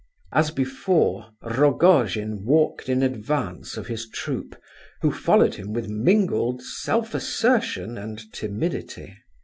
As before, Rogojin walked in advance of his troop, who followed him with mingled self assertion and timidity.